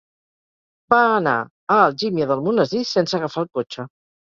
Va anar a Algímia d'Almonesir sense agafar el cotxe.